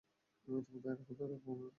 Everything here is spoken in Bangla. কোথায় রাখবো ম্যাম?